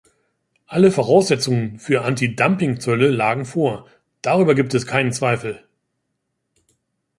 Alle Voraussetzungen für Antidumpingzölle lagen vor, darüber gibt es keinen Zweifel.